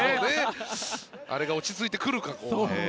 あれが落ち着いてくるか。